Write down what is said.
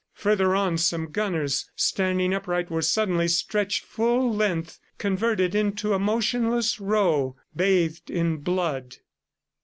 Further on, some gunners, standing upright, were suddenly stretched full length, converted into a motionless row, bathed in blood.